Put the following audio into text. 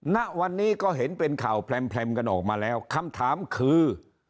ณวันนี้ก็เห็นเป็นข่าวแพร่มกันออกมาแล้วคำถามคือ